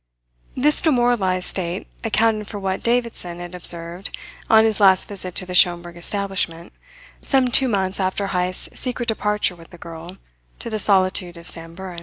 This demoralized state accounted for what Davidson had observed on his last visit to the Schomberg establishment, some two months after Heyst's secret departure with the girl to the solitude of Samburan.